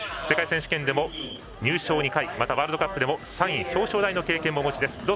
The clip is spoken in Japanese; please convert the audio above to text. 世界選手権でも入賞２回ワールドカップでも３位表彰台の経験をお持ちです。